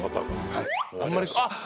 はい。